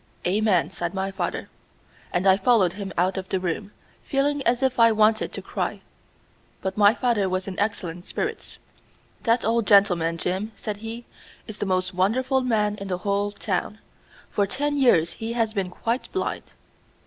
"Amen!" said my father, and I followed him out of the room, feeling as if I wanted to cry. But my father was in excellent spirits. "That old gentleman, Jim," said he, "is the most wonderful man in the whole town. For ten years he has been quite blind."